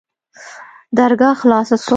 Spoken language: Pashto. درګاه خلاصه سوه.